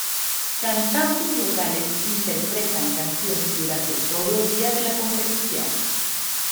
Cantantes locales interpretan canciones durante todo el día de la competición.